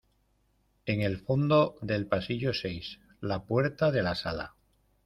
En el fondo del pasillo seis la puerta de la sala.